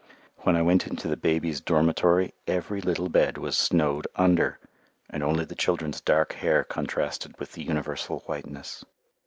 When I went into the babies' dormitory every little bed was snowed under, and only the children's dark hair contrasted with the universal whiteness.